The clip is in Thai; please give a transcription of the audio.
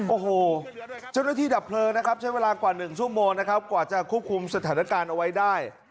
โอ้โหจะใช้เวลากว่าหนึ่งชั่วโมงนะครับกว่าจะควบคุมสถานการณ์เอาไว้ได้